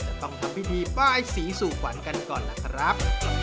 จะต้องทำพิธีป้ายสีสู่ขวัญกันก่อนล่ะครับ